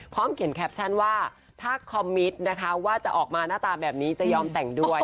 เขียนแคปชั่นว่าถ้าคอมมิตนะคะว่าจะออกมาหน้าตาแบบนี้จะยอมแต่งด้วย